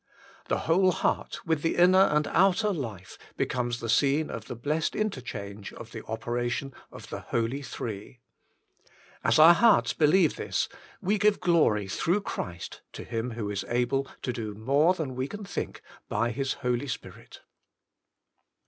The whole heart with the inner and outer life becomes the scene of the blessed interchange of the operation of the Holy Three. As our hearts believe this we give glory through Christ to Him who is able to do more than we can think by His Holy Spirit.